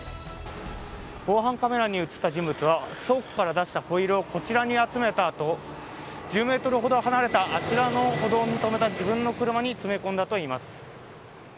防犯カメラに映った人物は倉庫から出したホイールをこちらに集めたあと１０ｍほど離れたあちらの歩道に止めた自分の車に詰め込んだといいます。